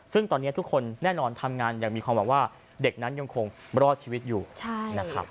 ซึ่งตอนนี้ทุกคนแน่นอนทำงานอย่างมีความหวังว่าเด็กนั้นยังคงรอดชีวิตอยู่นะครับ